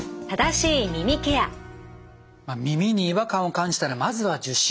耳に違和感を感じたらまずは受診。